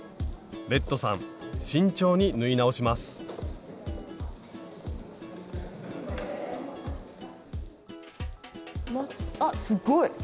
レッドさん慎重に縫い直しますあっすっごい！